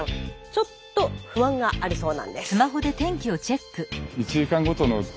ちょっと不満があるそうなんです。